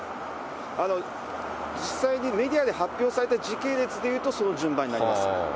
実際にメディアで発表された時系列でいうとその順番になります。